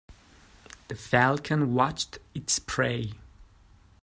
The falcon watched its prey.